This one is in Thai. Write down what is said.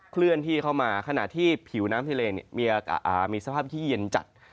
เคลื่อนที่เข้ามาขณะที่ผิวน้ำทะเลมีสภาพที่เย็นจัด